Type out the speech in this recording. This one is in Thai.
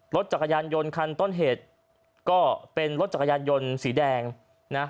รถจักรยานยนต์คันต้นเหตุก็เป็นรถจักรยานยนต์สีแดงนะ